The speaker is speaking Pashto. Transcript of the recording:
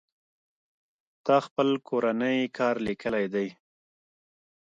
تا خپل کورنۍ کار ليکلى دئ.